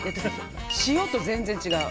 塩と全然違う。